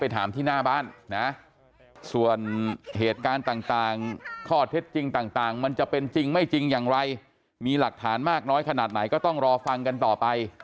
ไปถามที่หน้าบ้านส่วนเหตุการณ์ต่างต่างข้อเท็จจริงต่างมันจะเป็นจริงไม่จริงอย่างไรมี